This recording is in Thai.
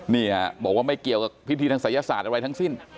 บอกว่าไม่เกี่ยวกับพิธีทางศัยศาสตร์อะไรทั้งสิ้น